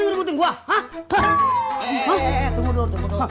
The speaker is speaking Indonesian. hei hei hei tunggu dulu tunggu dulu